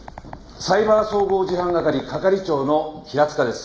サイバー総合事犯係係長の平塚です。